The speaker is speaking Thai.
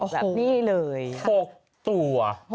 แบบนี้เลย๖ตัว